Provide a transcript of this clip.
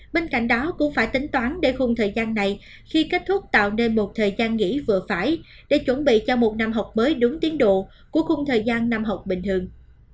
bên cạnh đó cũng phải tính toán để khung thời gian này khi kết thúc tạo nên một thời gian nghỉ vừa phải để chuẩn bị cho một năm học mới đúng tiến độ của khung thời gian năm học bình thường